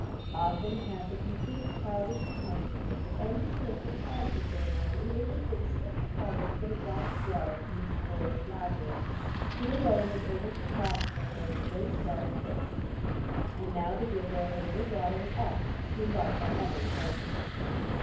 Often had the complete childish unconsciousness of any terrific tragedy going on enabled her to slip the collar to get a drop of water from this boyish Lazarus, who alone was able to cross for her the "great gulf fixed," and now the giver of a little water was off to embark on other adventures.